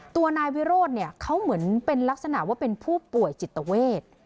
ตัวนายวิโรธเนี่ยเขาเหมือนเป็นลักษณะว่าเป็นผู้ป่วยจิตเวท